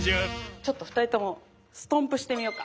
ちょっと２人ともストンプしてみようか。